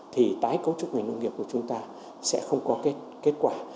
thì tái cấu trúc ngành nông nghiệp của chúng ta sẽ không có kết quả